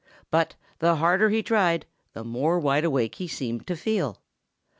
But the harder he tried, the more wide awake he seemed to feel.